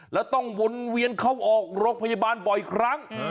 แล้วต้องวนเวียนเข้าออกโรงพยาบาลบ่อยครั้ง